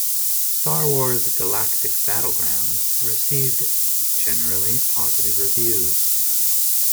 "Star Wars: Galactic Battlegrounds" received generally positive reviews.